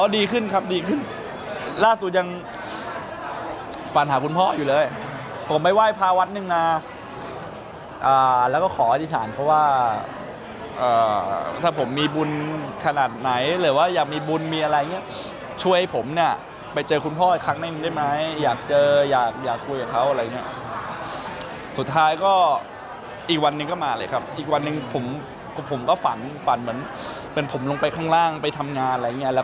อ๋อดีขึ้นครับดีขึ้นล่าสุดยังฟันหาคุณพ่ออยู่เลยผมไปไหว้พาวัดนึงมาอ่าแล้วก็ขออธิษฐานเพราะว่าเอ่อถ้าผมมีบุญขนาดไหนหรือว่าอยากมีบุญมีอะไรอย่างเงี้ยช่วยให้ผมเนี้ยไปเจอคุณพ่ออีกครั้งหนึ่งได้ไหมอยากเจออยากอยากคุยกับเขาอะไรอย่างเงี้ยสุดท้ายก็อีกวันหนึ่งก็มาเลยครับ